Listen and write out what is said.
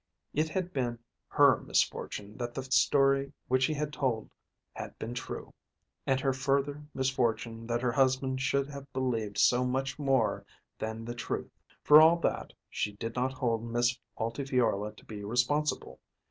It had been her misfortune that the story which he had told had been true; and her further misfortune that her husband should have believed so much more than the truth. For all that she did not hold Miss Altifiorla to be responsible.